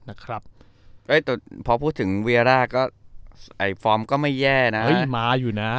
นะครับแต่พอพูดถึงเวียแรกก็ไอ้ฟอร์มก็ไม่แย่นะเฮ้ยม้าอยู่นะ